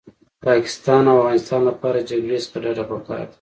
پاکستان او افغانستان لپاره جګړې څخه ډډه پکار ده